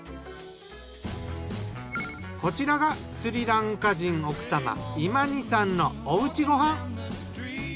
こちらがスリランカ人奥様イマニさんのお家ご飯。